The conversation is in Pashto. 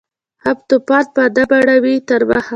هم توپان په ادب اړوي تر مخه